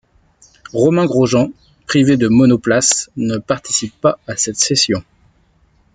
Romain Grosjean, privé de monoplace, ne participe pas à cette session.